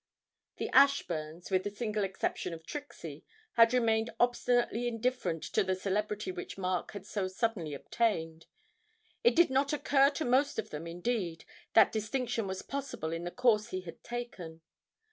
The Ashburns, with the single exception of Trixie, had remained obstinately indifferent to the celebrity which Mark had so suddenly obtained; it did not occur to most of them indeed that distinction was possible in the course he had taken.